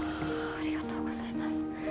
ありがとうございます。